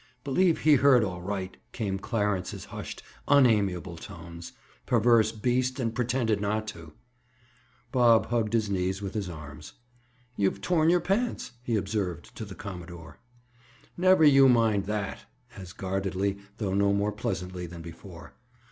"Believe he heard, all right!" came Clarence's hushed, unamiable tones. "Perverse beast, and pretended not to!" Bob hugged his knees with his arms. "You've torn your pants," he observed to the commodore. "Never you mind that" as guardedly, though no more pleasantly than before.